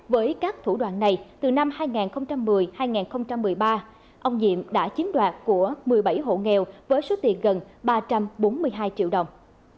với các thủ đoạn này từ năm hai nghìn một mươi hai nghìn một mươi ba ông diệm đã chiếm đoạt của một mươi bảy hộ nghèo với số tiền gần ba trăm bốn mươi hai triệu đồng